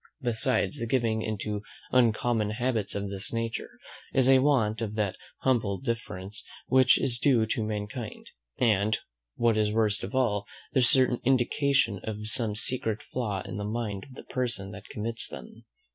Besides, the giving into uncommon habits of this nature is a want of that humble deference which is due to mankind, and, what is worst of all, the certain indication of some secret flaw in the mind of the person that commits them.